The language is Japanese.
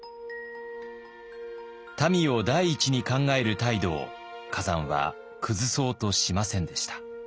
民を第一に考える態度を崋山は崩そうとしませんでした。